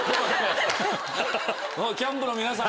キャンプの皆さん。